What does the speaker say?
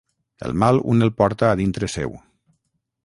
El mal un el porta a dintre seu.